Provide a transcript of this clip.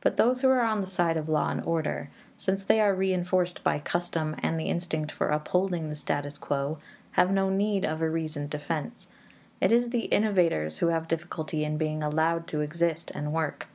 But those who are on the side of law and order, since they are reinforced by custom and the instinct for upholding the status quo, have no need of a reasoned defense. It is the innovators who have difficulty in being allowed to exist and work.